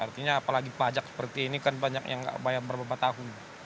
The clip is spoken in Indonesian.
artinya apalagi pajak seperti ini kan banyak yang tidak bayar beberapa tahun